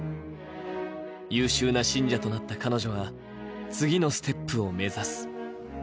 優秀な信者となった彼女は、次のステップを目指す。